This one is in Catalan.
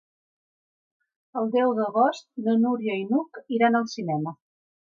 El deu d'agost na Núria i n'Hug iran al cinema.